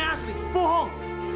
aku sudah berhenti